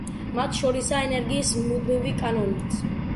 მათ შორისაა ენერგიის მუდმივობის კანონიც.